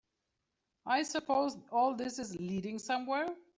I suppose all this is leading somewhere?